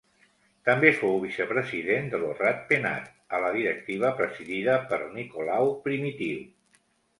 També fou vicepresident de Lo Rat Penat a la directiva presidida per Nicolau Primitiu.